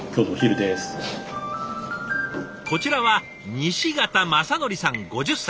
こちらは西潟政宣さん５０歳。